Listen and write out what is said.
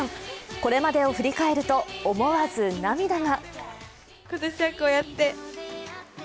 これまでを振り返ると思わず涙が。